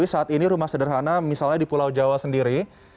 jadi saat ini rumah sederhana misalnya di pulau jawa sendiri